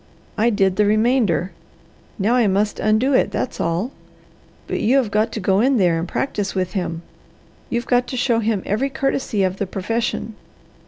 I did the remainder. Now I must undo it, that's all! But you have got to go in there and practise with him. You've got to show him every courtesy of the profession.